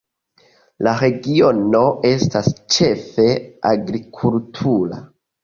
La regiono estas ĉefe agrikultura.